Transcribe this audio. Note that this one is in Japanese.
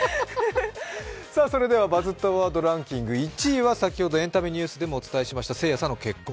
それでは、「バズったワードデイリーランキング」、１位は、先ほどエンタメでもお伝えしました、せいやさんの結婚。